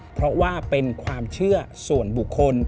เพราะว่าเป็นความเชื่อส่วนบุคคล